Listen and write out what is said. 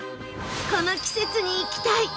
この季節に行きたい！